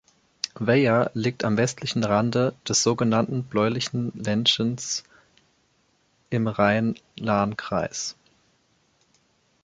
Weyer liegt am westlichen Rande des sogenannten Blauen Ländchens im Rhein-Lahn-Kreis.